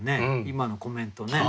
今のコメントね。